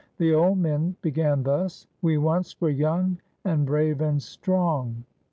The old men began thus: — "We once were young, and brave and strong."